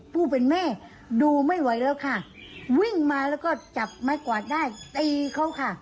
ผู้เป็นแม่ดูไม่ไหวแล้วค่ะวิ่งมาแล้วก็จับไม้กวาดได้ตีเขาค่ะ